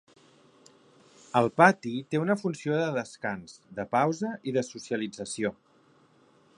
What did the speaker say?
El pati té una funció de descans, de pausa i de socialització.